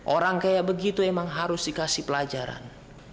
orang kayak begitu emang harus dikasih pelajaran